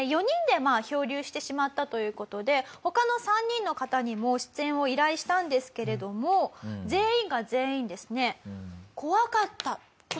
４人で漂流してしまったという事で他の３人の方にも出演を依頼したんですけれども全員が全員ですね。